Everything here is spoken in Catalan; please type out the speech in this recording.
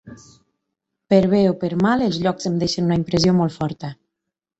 Per bé o per mal els llocs em deixen una impressió molt forta.